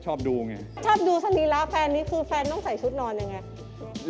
ชอบดูศรีระแฟนนี่คือแฟนต้องใส่ชุดนอนยังไง